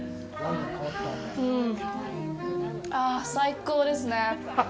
ああ、最高ですね。